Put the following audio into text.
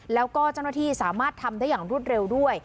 แล้วก็เจ้าหน้าที่สามารถทำได้อย่างรวดเร็วด้วย